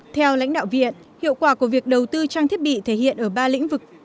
theo lãnh đạo viện hiệu quả của việc đầu tư trang thiết bị thể hiện ở ba lĩnh vực